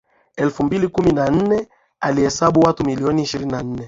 elfu mbili kumi na nne ilihesabu watu milioni ishirini na nne